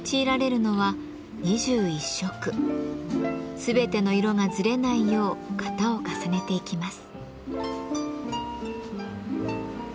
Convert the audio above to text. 全ての色がずれないよう型を重ねていきます。